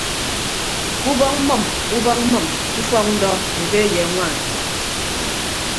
Ke ubọk mmʌm ubọk mmʌm ke ufọk ndọ ebe ye añwaan.